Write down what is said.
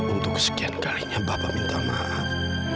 untuk kesekian kalinya bapak minta maaf